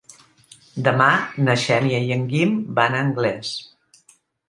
Demà na Xènia i en Guim van a Anglès.